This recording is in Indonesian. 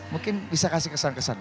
mungkin bisa kasih kesan kesan